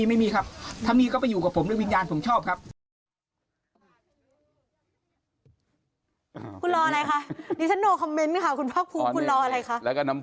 ไม่มีครับถ้ามีก็ไปอยู่กับผม